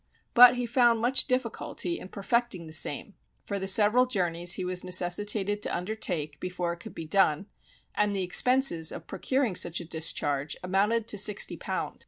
But he found much difficulty in perfecting the same, for the several journeys he was necessitated to undertake before it could be done, and the expenses of procuring such discharge, amounted to sixty pound.